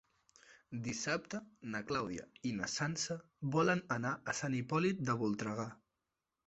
Dissabte na Clàudia i na Sança volen anar a Sant Hipòlit de Voltregà.